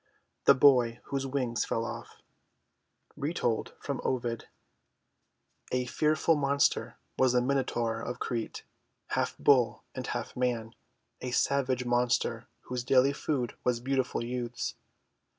THE BOY WHOSE WINGS FELL OFF Retold from Ovid A FEARFUL monster was the Minotaur of Crete, half Bull and half man, a savage monster whose daily food was beautiful youths.